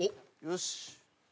よし！